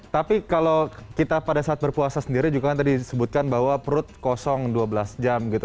tapi kalau kita pada saat berpuasa sendiri juga kan tadi disebutkan bahwa perut kosong dua belas jam gitu